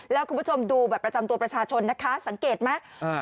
แล้วคุณผู้ชมดูบัตรประจำตัวประชาชนนะคะสังเกตไหม